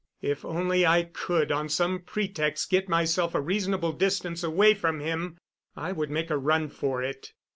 If only I could, on some pretext, get myself a reasonable distance away from him I would make a run for it.